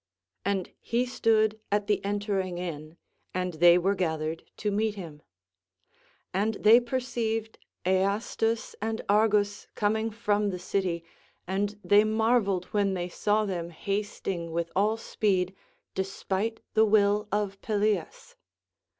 And he stood at the entering in, and they were gathered to meet him. And they perceived Aeastus and Argus coming from the city, and they marvelled when they saw them hasting with all speed, despite the will of Pelias.